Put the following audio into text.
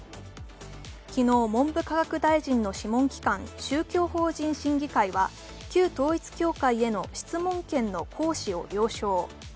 昨日、文部科学大臣の諮問機関、宗教法人審議会は旧統一教会への質問権の行使を了承。